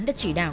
đã chỉ đạo